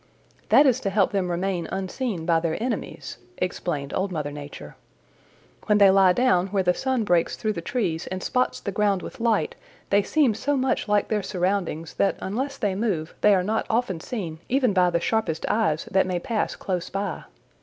"That is to help them to remain unseen by their enemies," explained Old Mother Nature. When they lie down where the sun breaks through the trees and spots the ground with light they seem so much like their surroundings that unless they move they are not often seen even by the sharpest eyes that may pass close by.